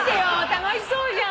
楽しそうじゃん。